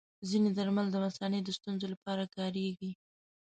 ځینې درمل د مثانې د ستونزو لپاره کارېږي.